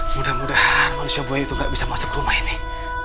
mudah mudahan manusia buaya itu gak bisa masuk rumah ini